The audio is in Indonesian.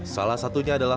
salah satunya adalah